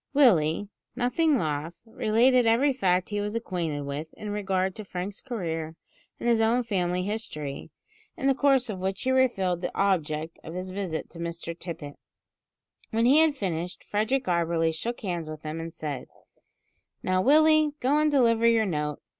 Willie, nothing loth, related every fact he was acquainted with in regard to Frank's career, and his own family history, in the course of which he revealed the object of his visit to Mr Tippet. When he had finished, Frederick Auberly shook hands with him and said: "Now, Willie, go and deliver your note.